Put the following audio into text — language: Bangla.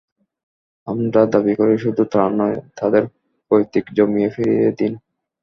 আমরা দাবি করি, শুধু ত্রাণ নয়, তাদের পৈতৃক জমি ফিরিয়ে দিন।